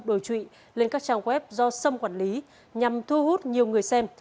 đổi trụy lên các trang web do sâm quản lý nhằm thu hút nhiều người xem